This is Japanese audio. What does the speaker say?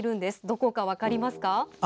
どこか分かりますか？